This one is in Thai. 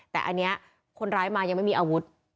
แต่อันนี้คนร้ายมายังไม่มีอาวุธ